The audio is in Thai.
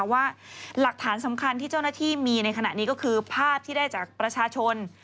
ว่าหลักฐานสำคัญที่เจ้าหน้าที่มีในขณะนี้ก็คือภาพที่ได้จากประชาชน